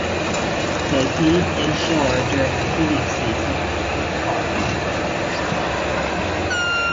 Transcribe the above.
They feed inshore during the breeding season in the midwater.